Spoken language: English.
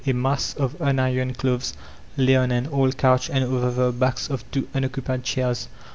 A mass of unironed clothes lay on an old coudi and over the backs of two unoccupied chairs.